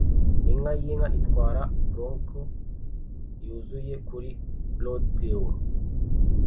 Inka yinka itwara bronco yuzuye kuri rodeo